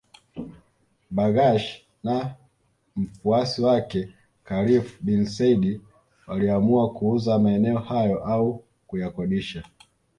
Bargash na mfuasi wake Khalifa bin Said waliamua kuuza maeneo hayo au kuyakodisha